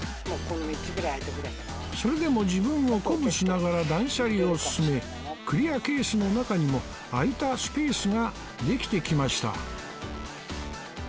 それでも自分を鼓舞しながら断捨離を進めクリアケースの中にも空いたスペースができてきました